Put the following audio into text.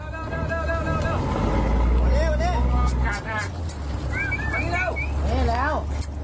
เร็ว